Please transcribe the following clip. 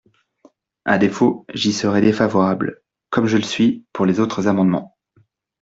À défaut, j’y serai défavorable, comme je le suis pour les autres amendements.